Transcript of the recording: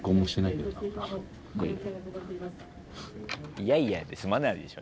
「いやいや」で済まないでしょ